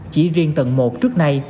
chỉ riêng tầng một trước nay